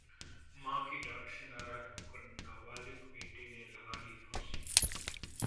मां की डांट से नाराज होकर नाबालिग बेटे ने लगा ली फांसी